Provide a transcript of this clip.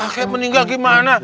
kakek meninggal gimana